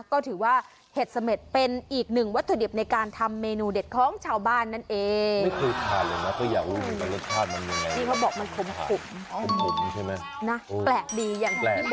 ก็ถือว่าเห็ดเสม็ดเป็นอีกหนึ่งวัตถุดิบในการทำเมนูเด็ดของชาวบ้านนั่นเอง